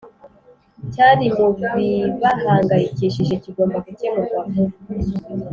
cyari mu bibahangayikishije kigomba gukemurwa vuba.